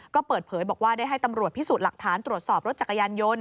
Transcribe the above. ก็เปิดเผยบอกว่าได้ให้ตำรวจพิสูจน์หลักฐานตรวจสอบรถจักรยานยนต์